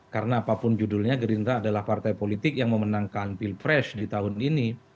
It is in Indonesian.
karena apapun judulnya gerindra adalah partai politik yang memenangkan pilpres di tahun ini